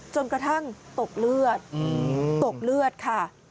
จนกระทั่งตกเลือดตกเลือดค่ะ